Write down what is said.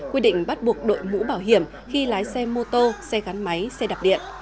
quy định bắt buộc đội mũ bảo hiểm khi lái xe mô tô xe gắn máy xe đạp điện